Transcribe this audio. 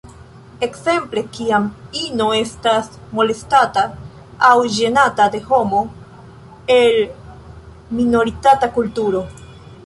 Ekzemple kiam ino estas molestata aŭ ĝenata de homo el minoritata kulturo.